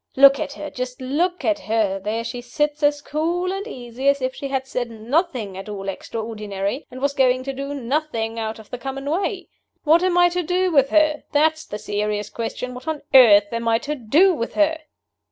Look at her just look at her! There she sits as cool and easy as if she had said nothing at all extraordinary, and was going to do nothing out of the common way! What am I to do with her? that's the serious question what on earth am I to do with her?"